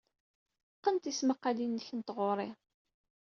Qqen tismaqqalin-nnek n tɣuri.